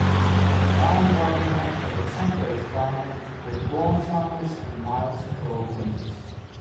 Mount Barker has a temperate climate with warm summers and mild to cold winters.